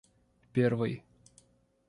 первой